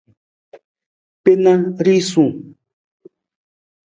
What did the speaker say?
Gbena risung.